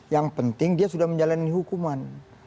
yang penting dia sudah menjalani hukuman